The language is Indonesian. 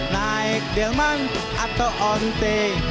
naik delman atau onte